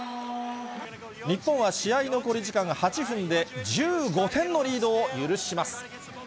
日本は試合残り時間８分で、１５点のリードを許します。